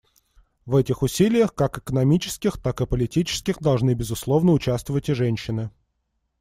В этих усилиях, как экономических, так и политических, должны, безусловно, участвовать и женщины.